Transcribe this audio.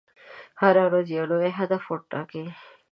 هره ورځ یو نوی هدف ټاکئ.